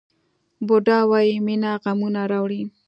بودا وایي مینه غمونه راوړي.